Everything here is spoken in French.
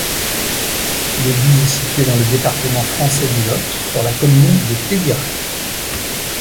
L'église est située dans le département français du Lot, sur la commune de Thédirac.